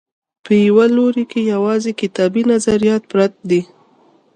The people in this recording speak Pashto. په یوه لوري کې یوازې کتابي نظریات پرت دي.